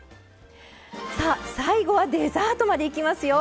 最後はデザートまでいきますよ。